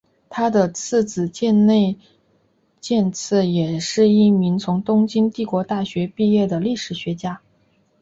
他的次子箭内健次也是一名从东京帝国大学毕业的历史学家。